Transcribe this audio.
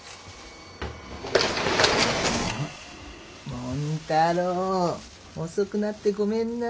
もん太郎遅くなってごめんな。